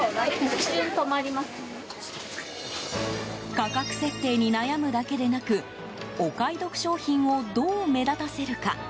価格設定に悩むだけでなくお買い得商品をどう目立たせるか。